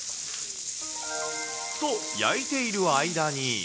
と、焼いている間に。